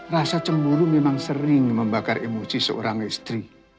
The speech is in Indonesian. rasa cemburu memang sering membakar emosi seorang istri